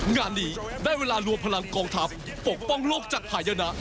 งานนี้ได้เวลารวมพลังกองทัพปกป้องโลกจากภายนะ